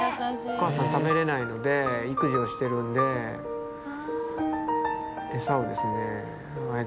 お母さん食べられないので育児をしているんで餌をですねああ